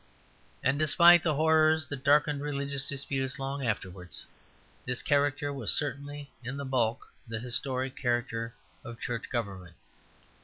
And despite the horrors that darkened religious disputes long afterwards, this character was certainly in the bulk the historic character of Church government.